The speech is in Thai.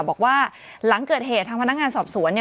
บอกว่าหลังเกิดเหตุทางพนักงานสอบสวนเนี่ย